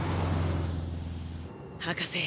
博士